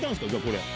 これ。